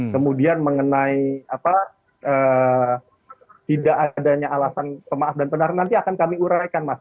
kemudian mengenai tidak adanya alasan pemaaf dan benar nanti akan kami uraikan mas